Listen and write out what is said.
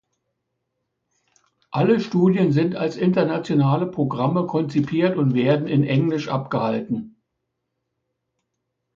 Alle Studien sind als "internationale Programme" konzipiert und werden in Englisch abgehalten.